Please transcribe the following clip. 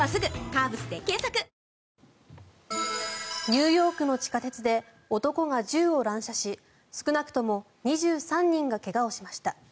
ニューヨークの地下鉄で男が銃を乱射し少なくとも２３人が怪我をしました。